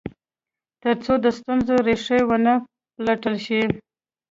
تر څو د ستونزو ریښې و نه پلټل شي.